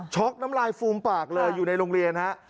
น้ำลายฟูมปากเลยอยู่ในโรงเรียนฮะ